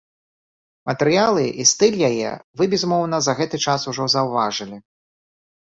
Матэрыялы і стыль яе вы, безумоўна, за гэты час ужо заўважылі.